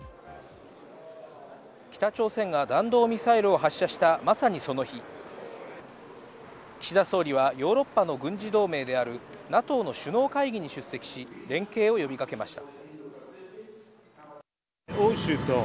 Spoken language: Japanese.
北朝鮮が弾道ミサイルを発射した、まさにその日、岸田総理はヨーロッパの軍事同盟であるＮＡＴＯの首脳会議に出席し、連携を呼び掛けました。